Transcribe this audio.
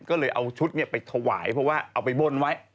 ก็เลยเอาชุดไปถวายเพราะว่าเอาไปบนไว้